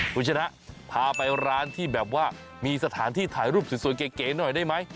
คุณชนะพาไปร้านที่แบบว่ามีสถานที่ถ่ายรูปสวยเก๋หน่อยได้ไหม